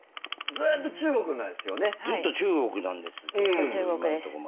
ずっと中国です。